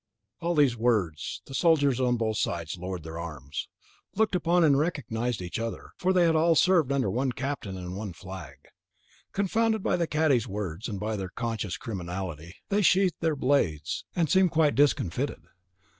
At these words, the soldiers on both sides lowered their arms, looked upon and recognised each other, for they had all served under one captain and one flag. Confounded by the cadi's words, and by their conscious criminality, they sheathed their blades, and seemed quite discomfited.